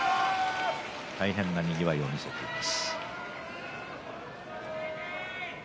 大変なにぎわいを見せています。